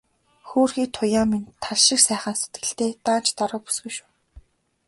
Хөөрхий Туяа минь тал шиг сайхан сэтгэлтэй, даанч даруу бүсгүй шүү.